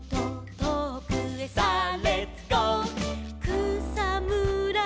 「くさむら